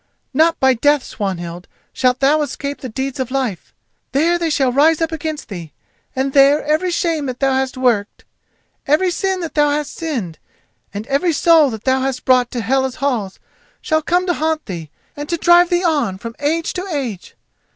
Not by death, Swanhild, shalt thou escape the deeds of life! There they shall rise up against thee, and there every shame that thou hast worked, every sin that thou hast sinned, and every soul that thou hast brought to Hela's halls, shall come to haunt thee and to drive thee on from age to age!